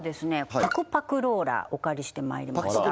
ぱくぱくローラーお借りしてまいりました